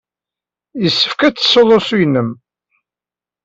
Yessefk ad d-tessud usu-nnem.